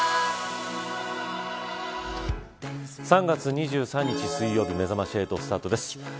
３月２３日水曜日めざまし８スタートです。